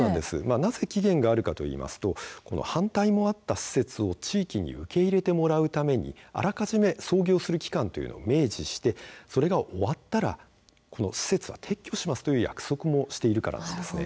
なぜ期限があるかというと反対のあった施設を地域に受け入れてもらうためあらかじめ操業する期間を明示してそれが終わったら施設を撤去しますという約束もしているからなんです。